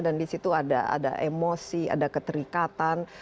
dan di situ ada emosi ada keterikatan